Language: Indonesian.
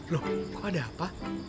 loh ada apa